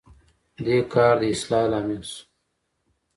دې کار د اصلاح لامل شو.